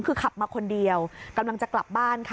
คือขับมาคนเดียวกำลังจะกลับบ้านค่ะ